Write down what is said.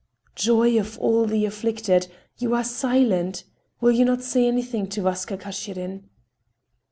"Joy of all the afflicted! You are silent! Will you not say anything to Vaska Kashirin?"